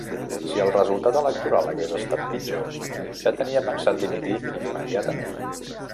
Si el resultat electoral hagués estat pitjor, ja tenia pensat dimitir immediatament.